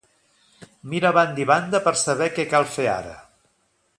Mira a banda i banda per saber què cal fer ara.